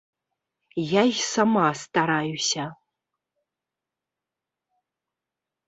Я й сама стараюся.